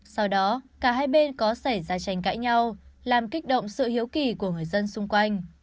sau đó cả hai bên có xảy ra tranh cãi nhau làm kích động sự hiếu kỳ của người dân xung quanh